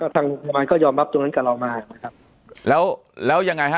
ทางโรงพยาบาลก็ยอมรับตรงนั้นกับเรามานะครับแล้วแล้วยังไงฮะ